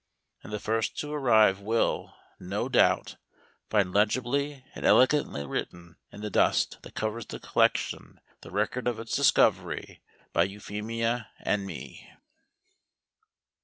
And the first to arrive will, no doubt, find legibly and elegantly written in the dust that covers the collection the record of its discovery by Euphemia and me.